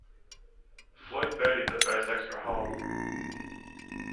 Floyd birdied the first extra hole.